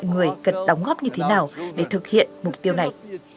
người cần đóng góp như thế nào để thực hiện mục tiêu này